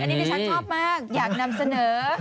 อันนี้ดิฉันชอบมากอยากนำเสนอ